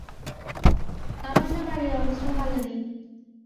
আমার না বাড়ির অবস্থা ভালো নেই।